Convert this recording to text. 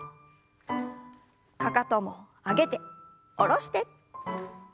かかとも上げて下ろして。